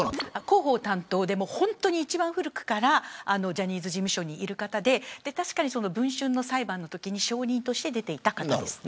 広報担当で一番古くからジャニーズ事務所にいる方で確かに文春の裁判のときに証人として出ていた方です。